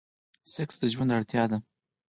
سيکس د ژوند اړتيا ده.